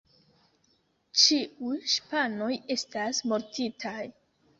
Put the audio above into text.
Ĉiuj ŝipanoj estas mortintaj.